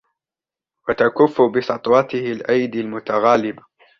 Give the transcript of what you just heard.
وَتَكُفُّ بِسَطْوَتِهِ الْأَيْدِي الْمُتَغَالِبَةُ